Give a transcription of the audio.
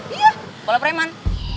iya kepala preman